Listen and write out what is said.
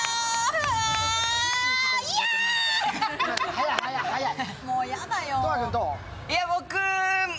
早い、早い、早い。